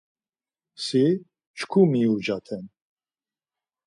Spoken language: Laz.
Si, çku miucaten!